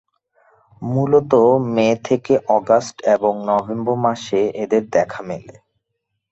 মূলত মে থেকে আগস্ট এবং নভেম্বর মাসে এদের দেখা মেলে।